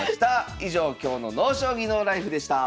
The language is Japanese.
以上今日の「ＮＯ将棋ＮＯＬＩＦＥ」でした。